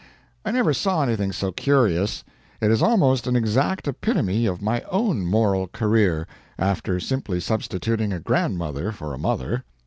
I never saw anything so curious. It is almost an exact epitome of my own moral career after simply substituting a grandmother for a mother.